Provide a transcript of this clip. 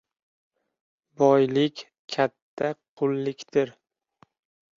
• Boylik ― katta qullikdir.